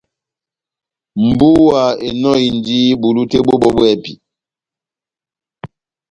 Mbúwa enɔhindi bulu tɛ́h bó bɔ́ bwɛ́hɛ́pi.